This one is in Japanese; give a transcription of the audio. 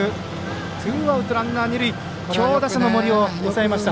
ツーアウト、ランナー、二塁強打者の森を抑えました。